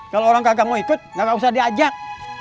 kalau orang kagak mau ikut gak usah diajak